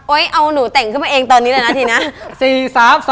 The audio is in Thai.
เอาหนูแต่งขึ้นมาเองตอนนี้เลยนะทีนะ